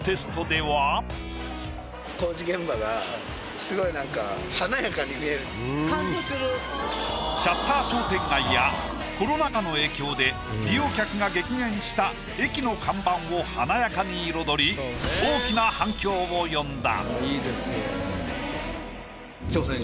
すごい何か。やコロナ禍の影響で利用客が激減した駅の看板を華やかに彩り大きな反響を呼んだ。